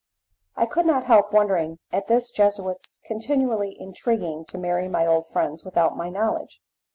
I could not help wondering at this Jesuit's continually intriguing to marry my old friends without my knowledge.